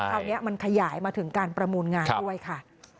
คราวนี้มันขยายมาถึงการประมูลงานด้วยค่ะ